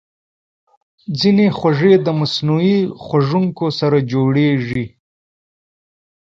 ځینې خوږې د مصنوعي خوږونکو سره جوړېږي.